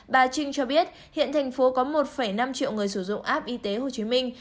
bà trinh cho biết hiện thành phố có một năm triệu người sử dụng app y tế hồ chí minh